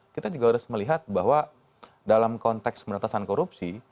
kita juga harus melihat bahwa dalam konteks penetasan korupsi